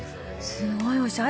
すごいおいしい。